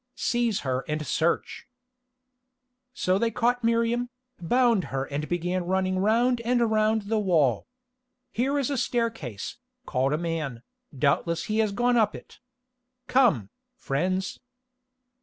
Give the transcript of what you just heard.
Seize her and search." So they caught Miriam, bound her and began running round and round the wall. "Here is a staircase," called a man, "doubtless he has gone up it. Come, friends."